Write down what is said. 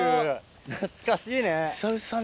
懐かしいね。